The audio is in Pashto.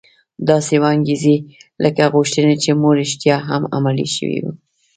داسې وانګيرئ لکه غوښتنې چې مو رښتيا هم عملي شوې وي.